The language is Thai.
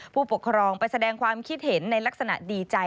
ผู้ปกครองไปแสดงความคิดเห็นในลักษณะดีใจ